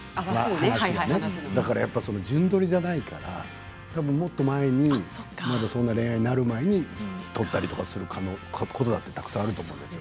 順撮りじゃないからもっと前に、恋愛になる前に撮ったりとかすることだってたくさんあるでしょうね。